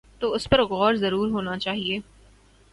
تو اس پر ضرور غور ہو نا چاہیے۔